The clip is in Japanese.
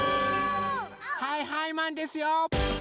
はいはいマンですよ！